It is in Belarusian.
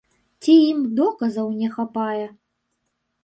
Ці ім доказаў не хапае?